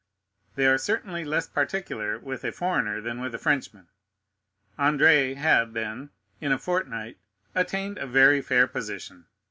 They are certainly less particular with a foreigner than with a Frenchman. Andrea had, then, in a fortnight, attained a very fair position.